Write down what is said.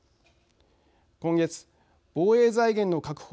今月防衛財源の確保